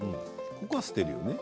ここは捨てるよね。